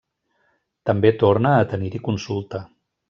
També torna a tenir-hi consulta.